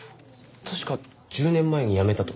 確か１０年前に辞めたとか。